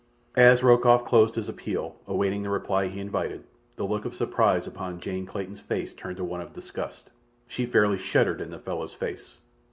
As Rokoff closed his appeal, awaiting the reply he invited, the look of surprise upon Jane Clayton's face turned to one of disgust. She fairly shuddered in the fellow's face.